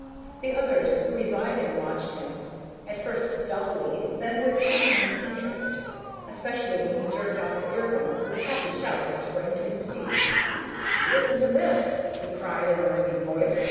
The others, reviving, watched him, at first dully, then with quickening interest, especially when he jerked off the earphones with a happy shout and sprang to his feet. "Listen to this!" he cried in a ringing voice.